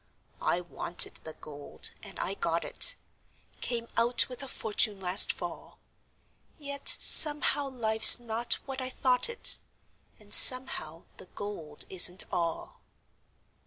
I wanted the gold, and I got it Came out with a fortune last fall, Yet somehow life's not what I thought it, And somehow the gold isn't all.